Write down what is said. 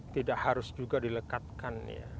tidak harus juga dilekatkan